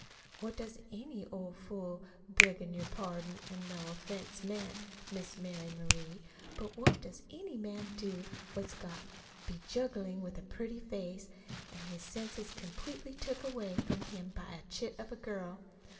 What does any old fool beggin' your pardon an' no offense meant, Miss Mary Marie but what does any man do what's got bejuggled with a pretty face, an' his senses completely took away from him by a chit of a girl?